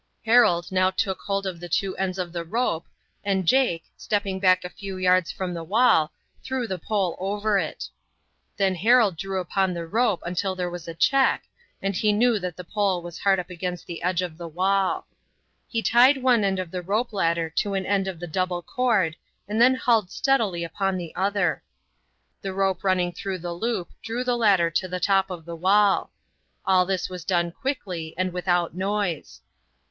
Harold now took hold of the two ends of the rope, and Jake, stepping back a few yards from the wall, threw the pole over it. Then Harold drew upon the rope until there was a check, and he knew that the pole was hard up against the edge of the wall. He tied one end of the rope ladder to an end of the double cord and then hauled steadily upon the other. The rope running through the loop drew the ladder to the top of the wall. All this was done quickly and without noise.